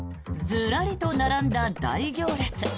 ズラリと並んだ大行列。